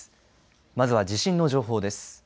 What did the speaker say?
まずは地震の情報です。